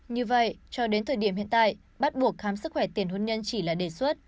như vậy cho đến thời điểm hiện tại bắt buộc khám sức khỏe tiền hôn nhân chỉ là đề xuất